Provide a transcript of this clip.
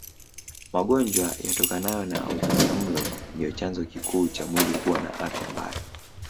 Magonjwa yatokanayo na utapiamlo ndio chanzo kikuu cha mwili kuwa na afya mbaya